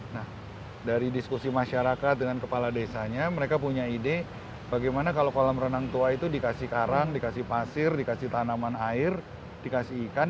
nah dari diskusi masyarakat dengan kepala desanya mereka punya ide bagaimana kalau kolam renang tua itu dikasih karang dikasih pasir dikasih tanaman air dikasih ikan